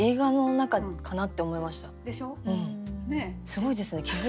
すごいですね。